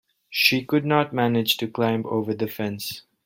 She could not manage to climb over the fence.